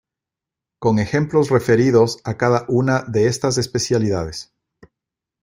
Con ejemplos referidos a cada una de estas especialidades.